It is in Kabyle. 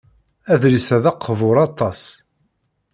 Adlis-a d aqbuṛ aṭas.